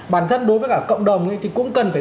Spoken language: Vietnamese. bản thân đối với cả cộng đồng thì cũng cần phải